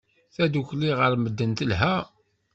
Tadukli gar medden telha.